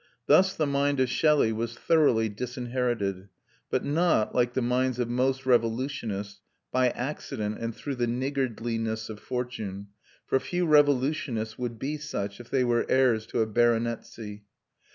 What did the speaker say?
Thus the mind of Shelley was thoroughly disinherited; but not, like the minds of most revolutionists, by accident and through the niggardliness of fortune, for few revolutionists would be such if they were heirs to a baronetcy.